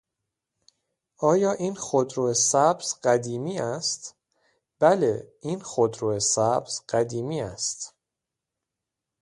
آیا این خودرو سبز قدیمی است؟ بله, این خودرو سبز قدیمی است.